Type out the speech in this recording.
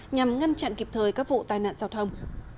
nhằm ngăn chặn kịp thời các vụ tai nạn giao thông